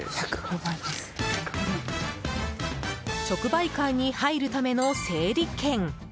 直売会に入るための整理券。